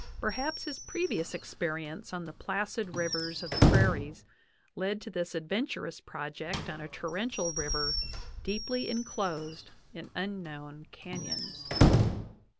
Perhaps his previous experience on the placid rivers of the prairies led to this adventurous project on a torrential river deeply inclosed in unknown canyons.